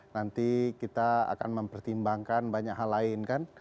nanti kita akan mempertimbangkan banyak hal lain kan